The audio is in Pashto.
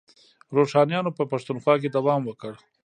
روښانیانو په پښتونخوا کې دوام وکړ.